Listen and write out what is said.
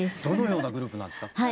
どのようなグループなんですか？